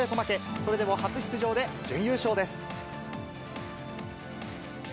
それでも初出場で準優勝です。